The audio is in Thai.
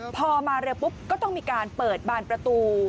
พอมาเร็วปุ๊บก็ต้องมีการเปิดบานประตู